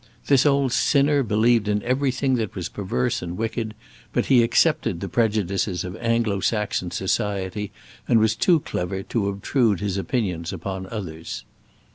This old sinner believed in everything that was perverse and wicked, but he accepted the prejudices of Anglo Saxon society, and was too clever to obtrude his opinions upon others.